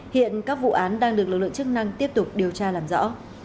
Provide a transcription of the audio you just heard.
hiện các vụ án đang được lực lượng chức năng tiếp tục điều tra làm rõ